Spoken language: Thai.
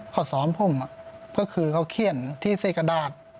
เขาซ้อมผมเพราะคือเขาเขี้ยนที่เส้นกระดาษ